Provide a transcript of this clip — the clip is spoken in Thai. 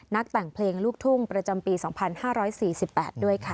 แต่งเพลงลูกทุ่งประจำปี๒๕๔๘ด้วยค่ะ